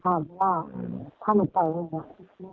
เพราะว่าถ้าไม่เป็นอะไรอย่างนี้